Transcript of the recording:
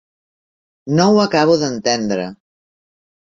No ho acabo d'entendre.